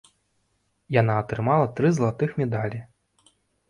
Яна атрымала тры залатых медалі.